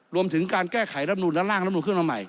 รวมถึงการแก้ไขล้รมนุนด้านล่างคืนมาใหม่